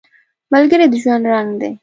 ملګری د ژوند رنګ دی